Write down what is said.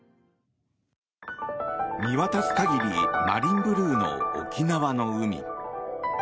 見渡す限りマリンブルーの沖縄の海。